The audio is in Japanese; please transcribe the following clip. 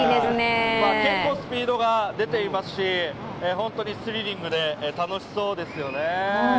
結構スピードが出ていますしスリリングで楽しいですよね。